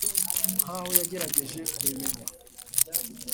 nkaho yagerageje kubimenya